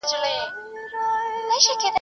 بس هغه ده چي مي مور کیسه کوله ..